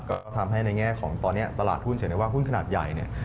ก็ทำให้ในแง่ของตอนนี้ตลาดหุ้นเฉพาะว่าหุ้นขนาดใหญ่